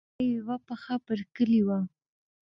د خلکو لپاره یې یوه پښه پر کلي وه.